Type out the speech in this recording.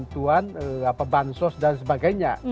bantuan bansos dan sebagainya